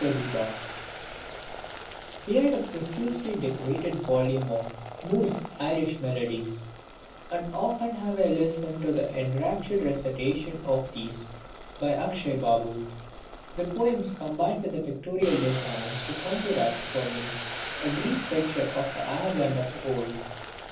(29) Valmiki Pratibha We had a profusely decorated volume of Moore's Irish Melodies: and often have I listened to the enraptured recitation of these by Akshay Babu. The poems combined with the pictorial designs to conjure up for me a dream picture of the Ireland of old.